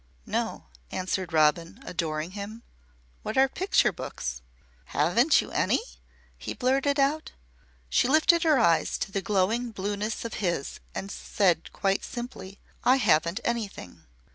"No," answered Robin, adoring him. "What are picture books?" "Haven't you any?" he blurted out. She lifted her eyes to the glowing blueness of his and said quite simply, "I haven't anything."